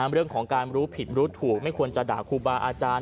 เรื่องของการรู้ผิดรู้ถูกไม่ควรจะด่าครูบาอาจารย์